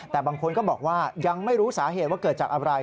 แต่บางคนก็บอกว่ายังไม่รู้สาเหตุว่าเกิดจากอะไร